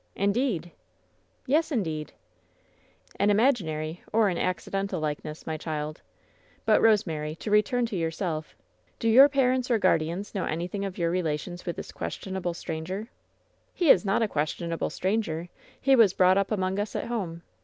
"Indeed!" "Yes, indeed!" "An imaginary or an accidental likeness, my child. But, Rosemary, to return to yourself. Do your parents, or guardians, know anything of your relations with this questionable stranger ?" "He is not a questionable stranger. He was brought up among us at home.